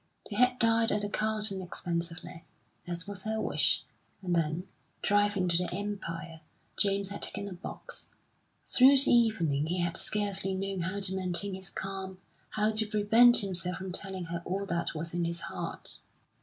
They had dined at the Carlton expensively, as was her wish, and then, driving to the Empire, James had taken a box. Through the evening he had scarcely known how to maintain his calm, how to prevent himself from telling her all that was in his heart.